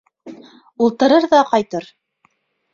Ултырыр ҙа ҡайтыр.